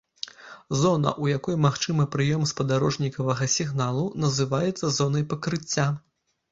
Зона, у якой магчымы прыём спадарожнікавага сігналу, называецца зонай пакрыцця.